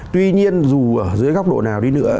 tuy nhiên dù ở dưới góc độ nào đi nữa